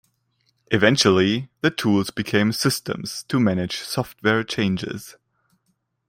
Eventually, the tools became systems to manage software changes.